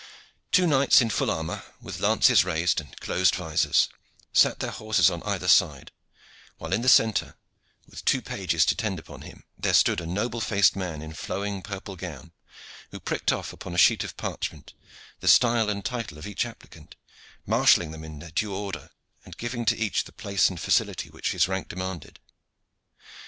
Two knights in full armor, with lances raised and closed visors, sat their horses on either side, while in the centre, with two pages to tend upon him, there stood a noble faced man in flowing purple gown, who pricked off upon a sheet of parchment the style and title of each applicant, marshalling them in their due order, and giving to each the place and facility which his rank demanded.